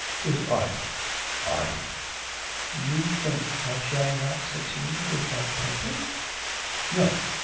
'There's art.' 'Art!' 'You think I shall not succeed with my painting?' 'No.